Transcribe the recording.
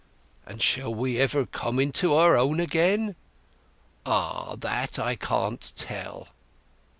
"And shall we ever come into our own again?" "Ah—that I can't tell!"